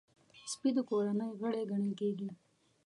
سپي د کورنۍ غړی ګڼل کېږي.